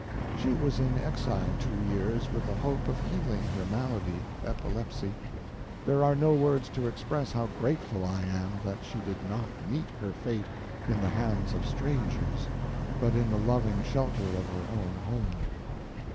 She was in exile two years with the hope of healing her malady—epilepsy. There are no words to express how grateful I am that she did not meet her fate in the hands of strangers, but in the loving shelter of her own home.